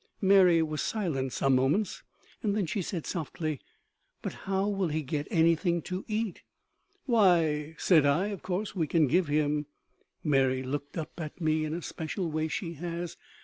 Mary was silent some moments. Then she said softly, "But how will he get anything to eat?" "Why," said I, "of course we can give him " Mary looked up at me in a special way she has.